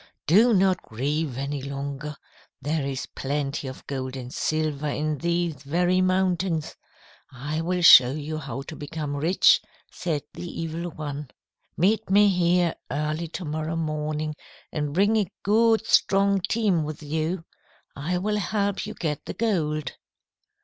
"'Do not grieve any longer. There is plenty of gold and silver in these very mountains. I will show you how to become rich,' said the Evil One. 'Meet me here early to morrow morning and bring a good strong team with you. I will help you get the gold.'